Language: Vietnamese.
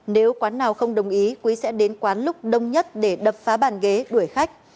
nếu quán nào không đồng ý quý sẽ đến quán lúc đông nhất để đập phá bàn ghế đuổi khách